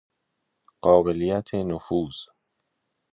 قابلیت نفوذ